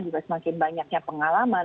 juga semakin banyaknya pengalaman